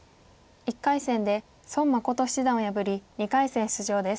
１回戦で孫七段を破り２回戦出場です。